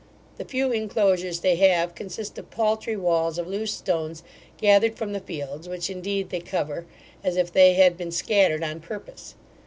The few inclosures they have consist of paultry walls of loose stones gathered from the fields, which indeed they cover, as if they had been scattered on purpose.